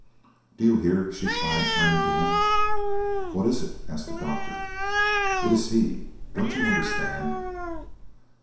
"Do you hear?" she cried, turning to him. "What is it?" asked the doctor. "It is he! Don't you understand?"